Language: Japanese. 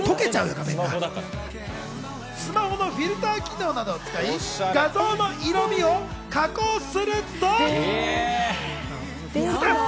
スマホのフィルター機能などを使い、画像の色みを加工すると。